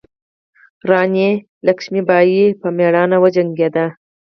راني لکشمي بای په میړانه وجنګیده.